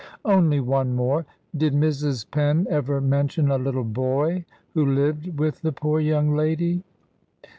"Only one more. Did Mrs. Penn ever mention a little boy who lived with the poor young lady?"